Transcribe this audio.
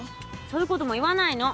そういうことも言わないの。